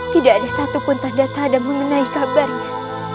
tidak ada satu pun tanda tadam mengenai kabarnya